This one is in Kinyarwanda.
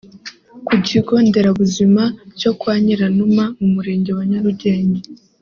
Ku kigo Nderabuzima cyo Kwa Nyiranuma mu murenge wa Nyarugenge